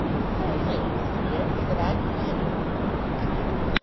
'Certainly, Mr. Dick,' said I; 'come in!